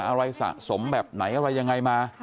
อะไรสะสมแบบไหนอะไรยังไงมา